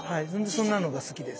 そんなのが好きです。